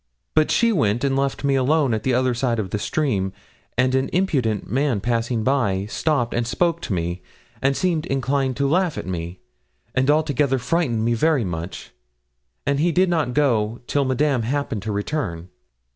But she went and left me alone at the other side of the stream, and an impudent man passing by stopped and spoke to me, and seemed inclined to laugh at me, and altogether frightened me very much, and he did not go till Madame happened to return.'